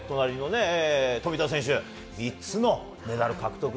富田選手、３つのメダル獲得。